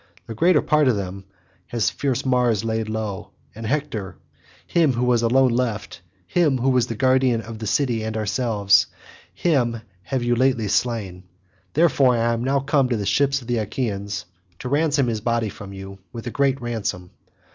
The greater part of them has fierce Mars laid low, and Hector, him who was alone left, him who was the guardian of the city and ourselves, him have you lately slain; therefore I am now come to the ships of the Achaeans to ransom his body from you with a great ransom.